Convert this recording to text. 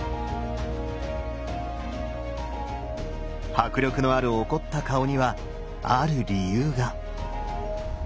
迫力のある怒った顔にはある理由が。